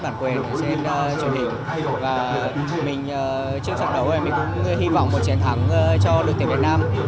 và mình trước trận đấu thì mình cũng hy vọng một trận thắng cho đội tuyển việt nam